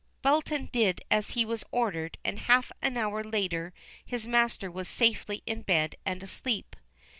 Belton did as he was ordered and half an hour later his master was safely in bed and asleep.